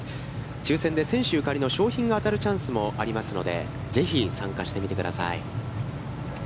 抽せんで選手ゆかりの商品が当たるチャンスもありますのでぜひ参加してみてください。